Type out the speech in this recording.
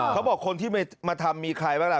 เค้าบอกคนที่มาทำมีใครบ้างละ